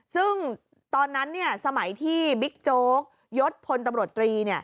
ซึ่งตอนนั้นสมัยที่บิ๊กโจ๊กยศพลตำรวจตรี